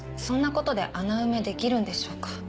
そんなことで穴埋めできるんでしょうか。